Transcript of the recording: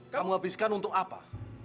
kamu habiskan untuk apa